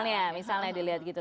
misalnya ya misalnya dilihat gitu